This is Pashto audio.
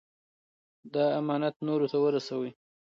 دا امانت نورو ته ورسوئ.